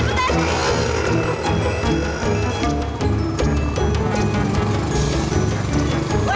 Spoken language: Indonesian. weh tungguin gue dong